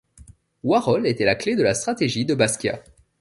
Warhol était la clé de la stratégie de Basquiat.